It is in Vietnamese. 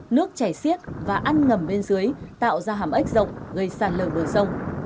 nước chảy siết và ăn ngầm bên dưới tạo ra hàm ếch rộng gây sàn lở đồi sông